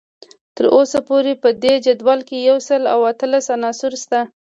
تر اوسه پورې په دې جدول کې یو سل او اتلس عناصر شته